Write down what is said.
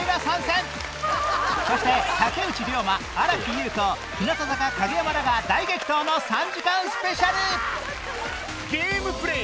そして竹内涼真新木優子日向坂影山らが大激闘の３時間スペシャル！